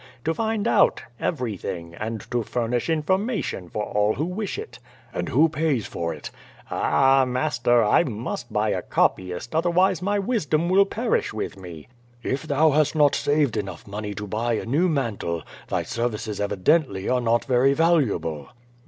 "To find out everything, and to furnish information for all who wish it." ^And who pays for it?" ^Ah, master, I must buy a copyist, otherwise my wisdom will perish with me." "If thou hast not saved enough money to buy a new man tle, thy services evidently are not very valuable."